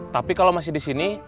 tapi kalau masih di sini